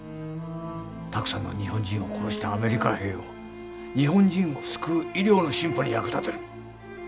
たくさんの日本人を殺したアメリカ兵を日本人を救う医療の進歩に役立てる。